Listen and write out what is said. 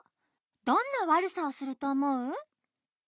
どんなわるさをするとおもう？